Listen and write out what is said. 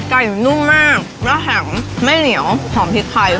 หนูนุ่มมากแล้วหำไม่เหนียวหอมพริกไทย